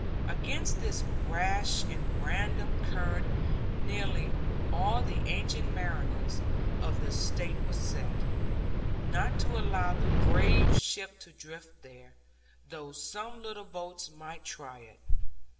Against this rash and random current nearly all the ancient mariners of the State were set; not to allow the brave ship to drift there, though some little boats might try it.